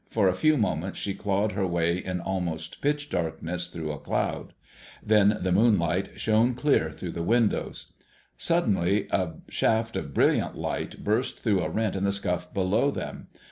For a few moments she clawed her way in almost pitch darkness through a cloud. Then the moonlight shone clear through the windows. Suddenly a shaft of brilliant light burst through a rent in the scuff below them.